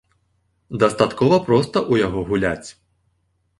Дастаткова проста ў яго гуляць.